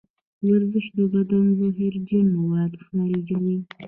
ورزش د بدن زهرجن مواد خارجوي.